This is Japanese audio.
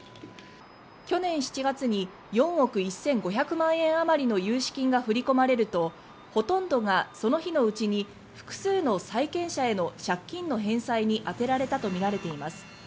去年７月に４億１５００万円あまりの融資金が振り込まれるとほとんどがその日のうちに複数の債権者への借金の返済に充てられたとみられています。